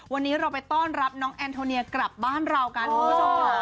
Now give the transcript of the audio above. วันนี้เราไปต้อนรับน้องแอนโทเนียกลับบ้านเรากันคุณผู้ชมค่ะ